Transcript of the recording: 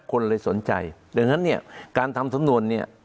คนเลยสนใจดังนั้นเนี่ยการทำสำนวนเนี่ย